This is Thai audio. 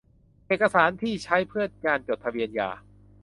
เอกสารที่ใช้เพื่อการจดทะเบียนหย่า